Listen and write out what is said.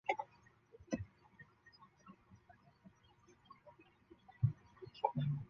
长齿柄鳞鲷为光腹鲷科柄鳞鲷属的鱼类。